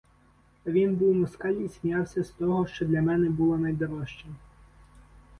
А він був москаль і сміявся з того, що для мене було найдорожчим.